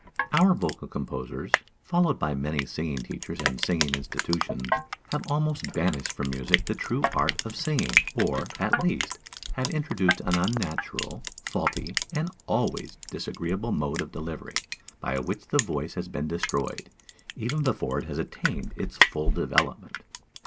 Our vocal composers, followed by many singing teachers and singing institutions, have almost banished from music the true art of singing; or, at least, have introduced an unnatural, faulty, and always disagreeable mode of delivery, by which the voice has been destroyed, even before it has attained its full development.